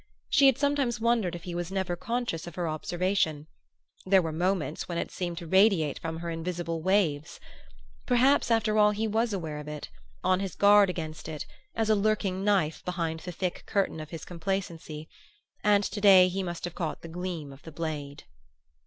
She had sometimes wondered if he was never conscious of her observation; there were moments when it seemed to radiate from her in visible waves. Perhaps, after all, he was aware of it, on his guard against it, as a lurking knife behind the thick curtain of his complacency; and to day he must have caught the gleam of the blade.